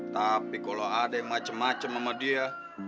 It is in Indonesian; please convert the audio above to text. tapi kalo ada yang macem macem sama dia